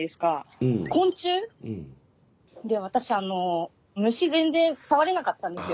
昆虫？で私あの虫全然さわれなかったんですよ。